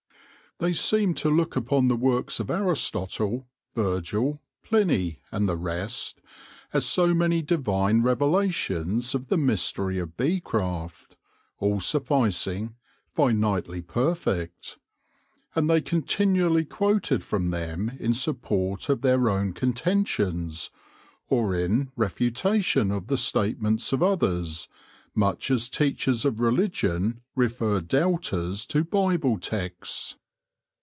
They seemed to look upon the works of Aristotle, Virgil, Pliny, and the rest, as so many divine revela tions of the mystery of bee craft, all sufficing, finitely perfect ; and they continually quoted from them in support of their own contentions, or in refutation of the statements of others, much as teachers of religion refer doubters to Bible texts.